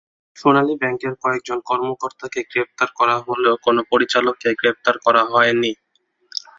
সোনালী ব্যাংকের কয়েকজন কর্মকর্তাকে গ্রেপ্তার করা হলেও কোনো পরিচালককে গ্রেপ্তার করা হয়নি।